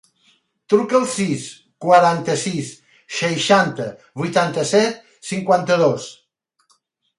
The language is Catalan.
Truca al sis, quaranta-sis, seixanta, vuitanta-set, cinquanta-dos.